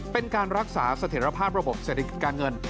เป็นการรักษาเสถียรภาพระบบเศรษฐกิจการเงิน